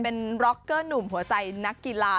เป็นร็อกเกอร์หนุ่มหัวใจนักกีฬา